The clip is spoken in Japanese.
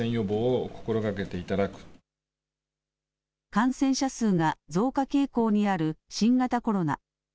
感染者数が増加傾向にある新型コロナ。